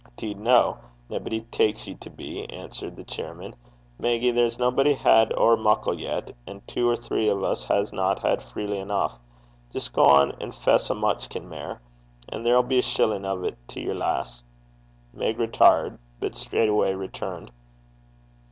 ''Deed no. Naebody taks ye to be,' answered the chairman. 'Meggie, there's naebody's had ower muckle yet, and twa or three o' 's hasna had freely eneuch. Jist gang an' fess a mutchkin mair. An' there'll be a shillin' to yersel', lass.' Meg retired, but straightway returned.